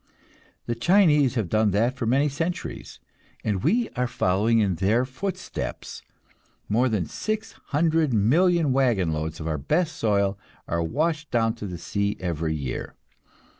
The Chinese have done that for many centuries, and we are following in their footsteps; more than six hundred million wagon loads of our best soil are washed down to the sea every year!